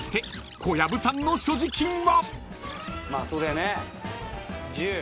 小籔千豊さんの所持金は。